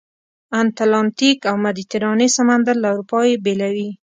اتلانتیک او مدیترانې سمندر له اروپا یې بېلوي.